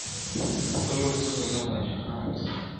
په لوړو سترګو ځمه له جهانه قاسم یاره-